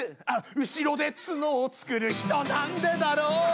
「後ろで角を作る人なんでだろう」